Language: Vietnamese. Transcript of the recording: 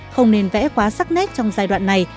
không nên vẽ quá sắc nét trong giai đoạn này